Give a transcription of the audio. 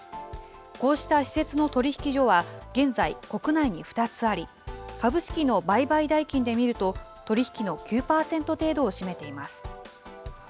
こうした私設の取引所は、現在、国内に２つあり、株式の売買代金で見ると、取り引きの９％程度を占めています。